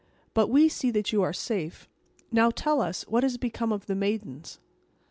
But we see that you are safe; now tell us what has become of the maidens."